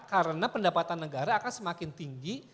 karena pendapatan negara akan semakin tinggi